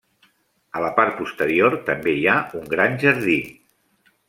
A la part posterior també hi ha un gran jardí.